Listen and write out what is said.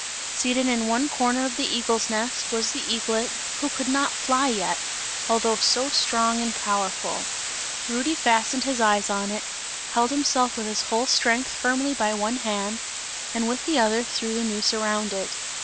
Seated in one corner of the eagle's nest was the eaglet, who could not fly yet, although so strong and powerful. Rudy fastened his eyes on it, held himself with his whole strength firmly by one hand, and with the other threw the noose around it.